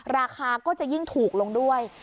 ราคาก็จะยิ่งถูกลงด้วย